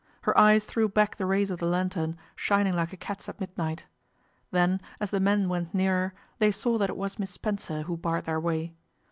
Her eyes threw back the rays of the lantern, shining like a cat's at midnight. Then, as the men went nearer, they saw that it was Miss Spencer who barred their way.